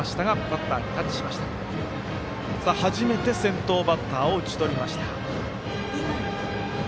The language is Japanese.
初めて先頭バッターを打ち取りました。